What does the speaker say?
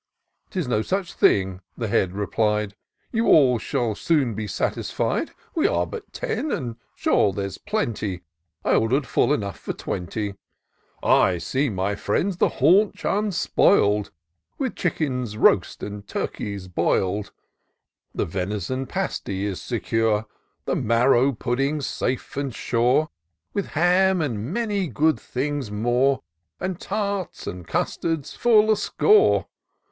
" 'Tis no such thing," the Head replied, " You all shall soon be satisfied : We are but ten : and sure there's plenty ; I order'd full enough for twenty. I 54 TOUR OF DOCTOR SYNTAX I see, my friends, the haunch imspoil'd, With chickens roast, and turkey boil'd ; The ven'son pasty is secure. The marrow puddings safe and sure ; With ham, and many good things more, And tarts, and custards, full a score.